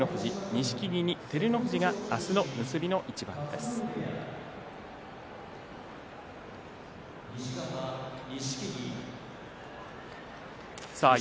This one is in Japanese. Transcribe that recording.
錦木と照ノ富士が明日の結びの一番で対戦します。